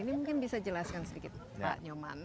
ini mungkin bisa jelaskan sedikit pak nyoman